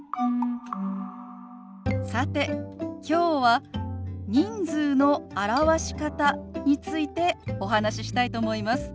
さてきょうは人数の表し方についてお話ししたいと思います。